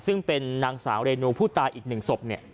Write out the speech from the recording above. ซึ่งเป็นนางสาวเรนูผู้ตายอีก๑ศพเนี่ย